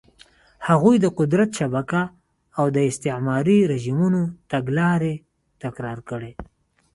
هغوی د قدرت شبکه او د استعماري رژیمونو تګلارې تکرار کړې.